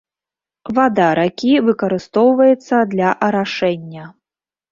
Вада ракі выкарыстоўваецца для арашэння.